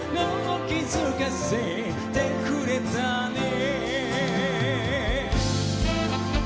「気付かせてくれたね」